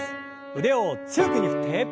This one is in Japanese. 腕を強く上に振って。